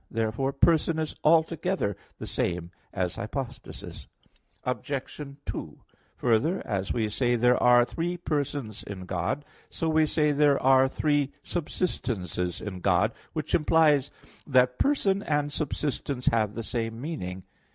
Therefore "person" is altogether the same as "hypostasis." Obj. 2: Further, as we say there are three persons in God, so we say there are three subsistences in God; which implies that "person" and "subsistence" have the same meaning.